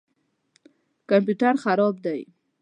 کمپیوټر خراب دی